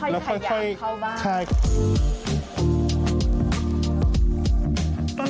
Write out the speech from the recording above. แล้วค่อยขยันเข้าบ้าง